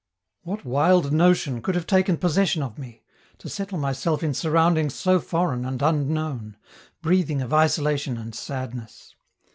What wild notion could have taken possession of me, to settle myself in surroundings so foreign and unknown, breathing of isolation and sadness?